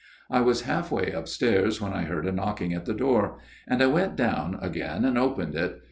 " I was half way upstairs when I heard a knock ing at the door ; and I went down again and opened it.